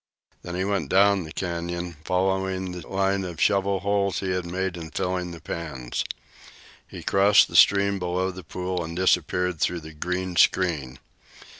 Then he went down the canyon, following the line of shovel holes he had made in filling the pans. He crossed the stream below the pool and disappeared through the green screen.